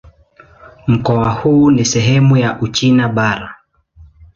Mkoa huu ni sehemu ya Uchina Bara.